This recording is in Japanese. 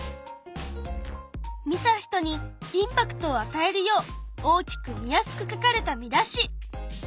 見た人にインパクトをあたえるよう大きく見やすく書かれた見出し。